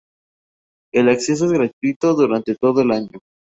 El acceso es gratuito durante todo el año.